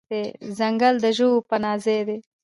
ځنګل د ژوو پناه ځای دی.